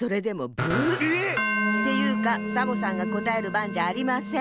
えっ⁉っていうかサボさんがこたえるばんじゃありません。